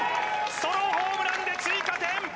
ソロホームランで追加点！